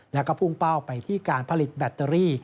แล้วก็พุ่งเป้าไปที่การผลิตแบตเตอรี่